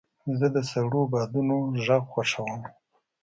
زه د سړو بادونو غږ خوښوم.